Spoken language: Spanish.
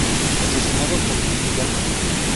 Asesinado por Kiriyama.